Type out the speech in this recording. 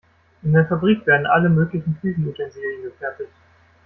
In der Fabrik werden alle möglichen Küchenutensilien gefertigt.